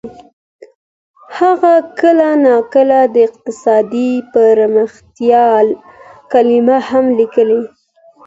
هغه کله ناکله د اقتصادي پرمختیا کلمه هم لیکي.